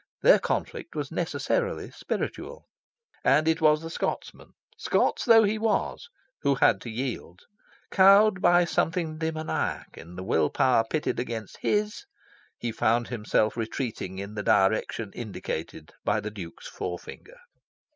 Their conflict was necessarily spiritual. And it was the Scotsman, Scots though he was, who had to yield. Cowed by something demoniac in the will power pitted against his, he found himself retreating in the direction indicated by the Duke's forefinger.